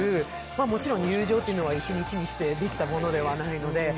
もちろん友情というのは一日にしてできたものではないので。